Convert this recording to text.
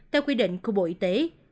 theo quy định của bộ y tế